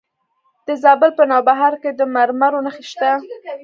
د زابل په نوبهار کې د مرمرو نښې شته.